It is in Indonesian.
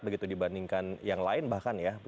begitu dibandingkan yang lain bahkan ya